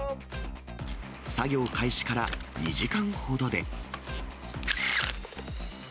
作業開始から２時間ほどで。